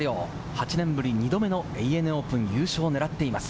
８年ぶり、２度目のＡＮＡオープン優勝を狙っています。